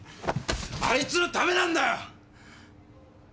あいつのためなんだよ！